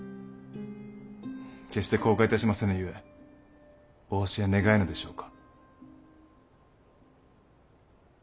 決して口外いたしませぬゆえお教え願えぬでしょうか。